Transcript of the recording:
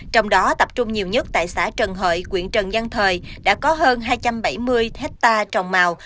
trong đó tập trung nhiều nhất tại xã trần hợi quyện trần giang thời đã có hơn hai trăm bảy mươi hectare trồng màu